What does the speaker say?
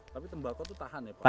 tapi tembakau itu tahan ya pak